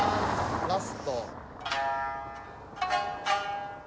ラスト。